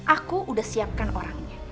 aku udah siapkan orangnya